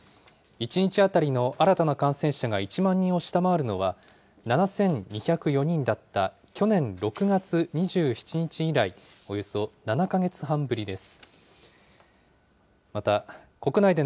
１日当たりの新たな感染者が１万人を下回るのは、７２０４人だった去年６月２７日以来、およそ７か月半ぶりです。